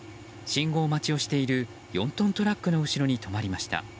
信号待ちをしている４トントラックの後ろに止まりました。